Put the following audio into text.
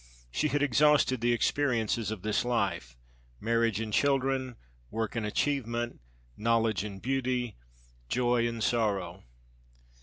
She had exhausted the experiences of this life marriage and children, work and achievement, knowledge and beauty, joy and sorrow.